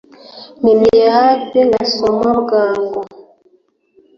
Mpiniye hafi ngasoma bwangu